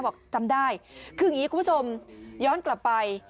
บอกจำได้คืออย่างนี้คุณผู้ชมย้อนกลับไป